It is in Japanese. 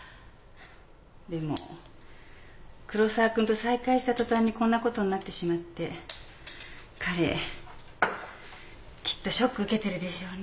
でも黒沢君と再会した途端にこんなことになってしまって彼きっとショック受けてるでしょうね。